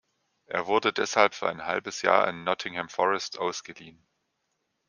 Er wurde deshalb für ein halbes Jahr an Nottingham Forest ausgeliehen.